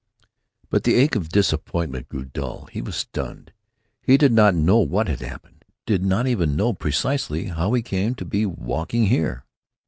But the ache of disappointment grew dull. He was stunned. He did not know what had happened; did not even know precisely how he came to be walking here.